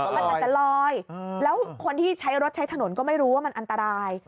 มันอาจจะลอยแล้วคนที่ใช้รถใช้ถนนก็ไม่รู้ว่ามันอันตราย